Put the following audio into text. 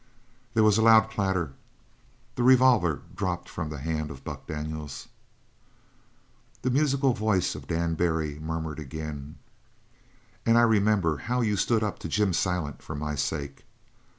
There was a loud clatter; the revolver dropped from the hand of Buck Daniels. The musical voice of Dan Barry murmured again: "And I remember how you stood up to Jim Silent, for my sake.